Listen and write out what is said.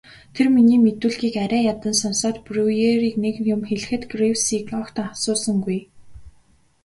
Тэр миний мэдүүлгийг арай ядан сонсоод Бруерыг нэг юм хэлэхэд Гривсыг огт асуусангүй.